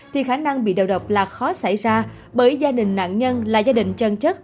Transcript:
thì khả năng bị đầu độc là khó xảy ra bởi gia đình nạn nhân là gia đình chân chất